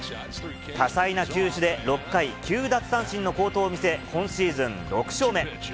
多彩な球種で、６回９奪三振の好投を見せ、今シーズン６勝目。